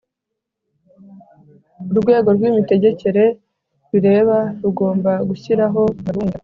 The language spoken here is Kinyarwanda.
urwego rw imitegekere bireba rugomba gushyiraho gahunda